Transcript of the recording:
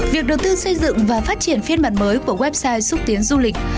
việc đầu tư xây dựng và phát triển phiên bản mới của website xúc tiến du lịch